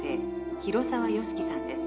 広沢由樹さんです